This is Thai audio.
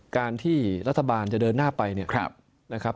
การจะเดินหน้าไปเนี่ยนะครับ